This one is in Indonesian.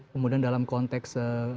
kemudian dalam konteks